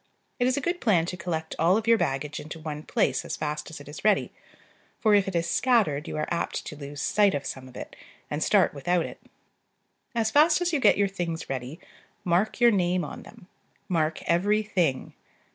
It is a good plan to collect all of your baggage into one place as fast as it is ready; for if it is scattered you are apt to lose sight of some of it, and start without it. As fast as you get your things ready, mark your name on them: mark every thing.